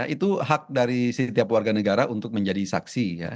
itu hak dari setiap warga negara untuk menjadi saksi